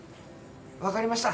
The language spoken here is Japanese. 分かりました。